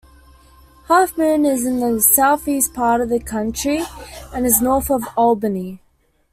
Halfmoon is in the southeast part of the county and is north of Albany.